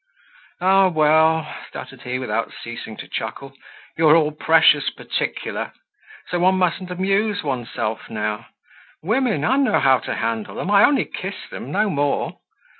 "Ah! Well," stuttered he, without ceasing to chuckle, "you're all precious particular! So one mustn't amuse oneself now? Women, I know how to handle them; I'll only kiss them, no more.